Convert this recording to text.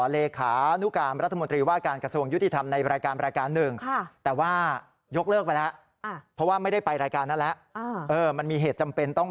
เลขานุกรรมรัฐมนตรีว่าการกระทรวงยุติธรรมในรายการรายการหนึ่ง